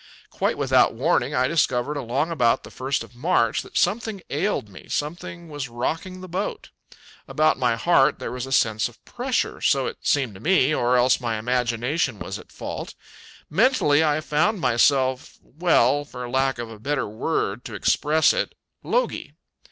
Quite without warning, I discovered along about the first of March that something ailed me; something was rocking the boat. About my heart there was a sense of pressure, so it seemed to me, or else my imagination was at fault. Mentally, I found myself well, for lack of a better word to express it logy.